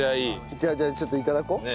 じゃあじゃあちょっと頂こう。